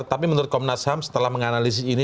tapi menurut komnas ham setelah menganalisis ini